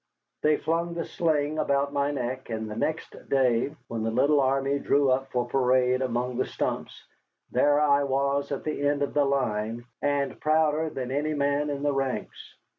They flung the sling about my neck, and the next day, when the little army drew up for parade among the stumps, there I was at the end of the line, and prouder than any man in the ranks.